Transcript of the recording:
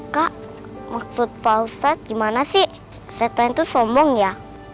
kak maksud pak ustadz gimana sih setuen itu somong ya